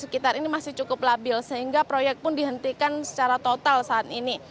sekitar ini masih cukup labil sehingga proyek pun dihentikan secara total saat ini